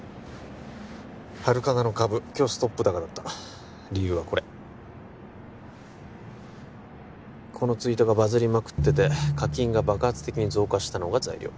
ハルカナの株今日ストップ高だった理由はこれこのツイートがバズりまくってて課金が爆発的に増加したのが材料